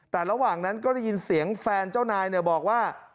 แต่ระหว่างนั้นก็ได้ยินเสียงแฟนเจ้านายบอกว่า